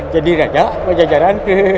jadi raja pajajaran